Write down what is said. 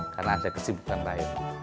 karena ada kesibukan lain